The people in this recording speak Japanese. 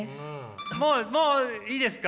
もうもういいですか？